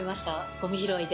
ごみ拾いで。